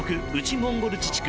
モンゴル自治区